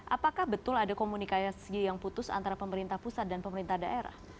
apakah betul ada komunikasi yang putus antara pemerintah pusat dan pemerintah daerah